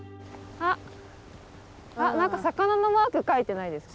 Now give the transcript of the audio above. あっ何か魚のマーク描いてないですか？